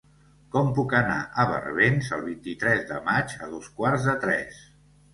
Com puc anar a Barbens el vint-i-tres de maig a dos quarts de tres?